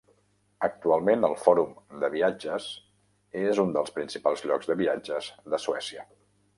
Actualment, el Fòrum de viatges és un dels principals llocs de viatges de Suècia.